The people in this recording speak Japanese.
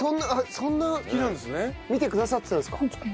そんな見てくださってたんですか？